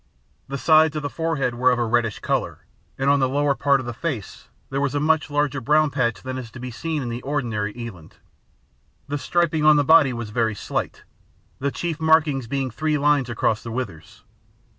The sides of the forehead were of a reddish colour, and on the lower part of the face there was a much larger brown patch than is to be seen on the ordinary eland. The striping on the body was very slight, the chief markings being three lines across the withers.